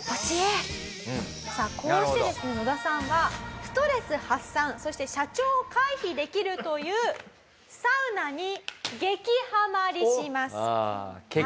さあこうしてですねノダさんはストレス発散そして社長を回避できるというサウナに激ハマりします。